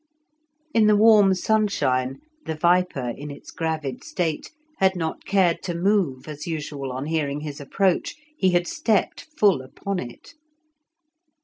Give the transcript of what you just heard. In the warm sunshine the viper, in its gravid state, had not cared to move as usual on hearing his approach; he had stepped full upon it.